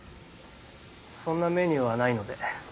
そんなメニューはないので。